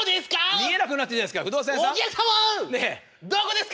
見えなくなってんじゃないですか。